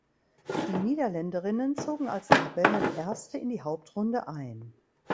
Die Niederländerinnen zogen als Tabellenerste in die Hauptrunde ein.